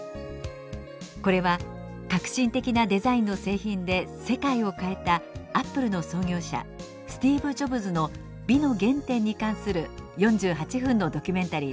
これは革新的なデザインの製品で世界を変えたＡｐｐｌｅの創業者スティーブ・ジョブズの美の原点に関する４８分のドキュメンタリーです。